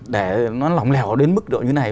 để nó lỏng lẻo đến mức độ như này